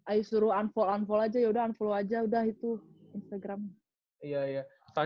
ayu suruh unfollow unfollow aja yaudah unfollow aja udah itu instagram